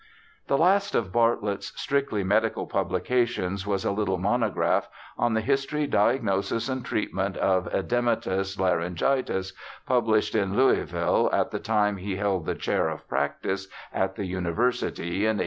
The last of Bartlett's strictly medical publications was a little monograph on the History, Diagnosis, and Treatment of Edematous Laryngitis, published in Louis ville at the time he held the chair of practice at the University, in 1850.